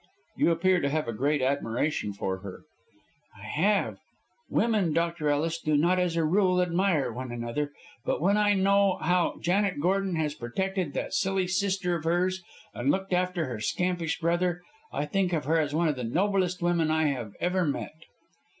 "You appear to have a great admiration for her." "I have. Women, Dr. Ellis, do not as a rule admire one another, but when I know how Janet Gordon has protected that silly sister of hers, and looked after her scampish brother, I think of her as one of the noblest women I have ever met."